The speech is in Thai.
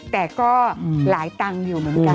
แต่ก็หลายตังค์อยู่เหมือนกัน